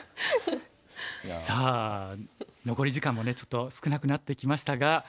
さあ残り時間もねちょっと少なくなってきましたが